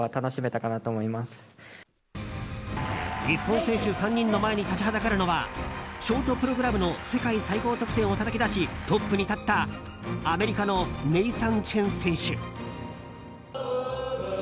日本選手３人の前に立ちはだかるのはショートプログラムの世界最高得点をたたき出しトップに立ったアメリカのネイサン・チェン選手。